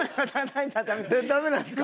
ダメなんですか？